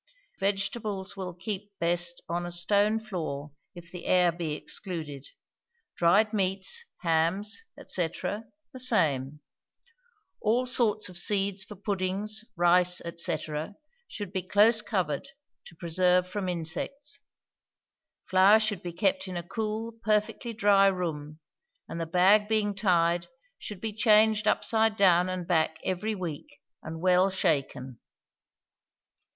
Vegetables will keep best on a stone floor if the air be excluded. Dried meats, hams, &c., the same. All sorts of seeds for puddings, rice, &c., should be close covered, to preserve from insects. Flour should be kept in a cool, perfectly dry room, and the bag being tied should be changed upside down and back every week, and well shaken.